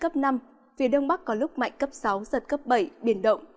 phía đông bắc có lúc mạnh cấp sáu bảy biển động